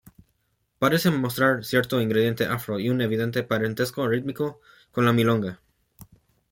Parece mostrar cierto ingrediente afro y un evidente parentesco rítmico con la milonga.